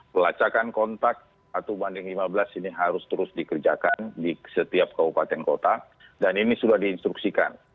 pelacakan kontak satu banding lima belas ini harus terus dikerjakan di setiap kabupaten kota dan ini sudah diinstruksikan